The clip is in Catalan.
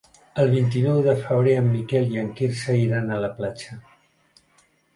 El vint-i-nou de febrer en Miquel i en Quirze iran a la platja.